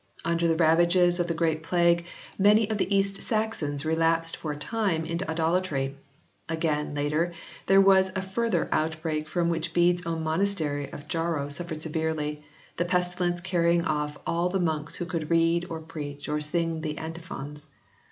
Under the ravages of the great plague many of the East Saxons relapsed for a time into idolatry; again, later there was a further outbreak from which Bede s own monastery of Jarrow suffered severely, the pestilence carrying off all the monks who could read or preach or sing the antiphons.